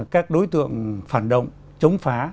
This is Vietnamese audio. các đối tượng phản động chống phá